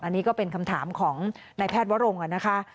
อันนี้ก็เป็นคำถามของนายแพทย์วรงค์นะคะ